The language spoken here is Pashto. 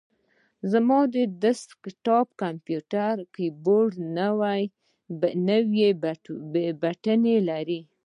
زما د ډیسک ټاپ کمپیوټر کیبورډ نوي بټنونه لري.